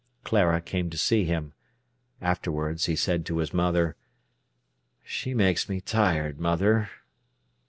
Clara came to see him. Afterwards he said to his mother: "She makes me tired, mother."